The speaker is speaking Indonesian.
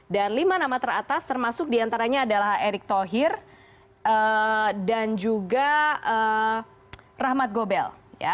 dan lima nama teratas termasuk diantaranya adalah erick thohir dan juga rahmat gobel